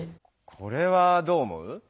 これはどう思う？